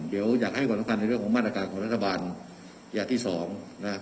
เดี๋ยวอยากให้ความสำคัญในเรื่องของมาตรการของรัฐบาลอย่างที่สองนะ